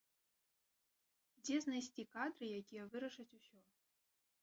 Дзе знайсці кадры, якія вырашаць усё?